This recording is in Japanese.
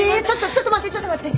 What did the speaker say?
ちょっと待ってちょっと待って。